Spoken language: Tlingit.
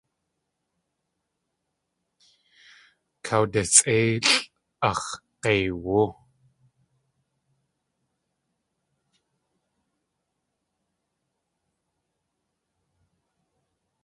Kawdisʼéilʼ ax̲ g̲eiwú.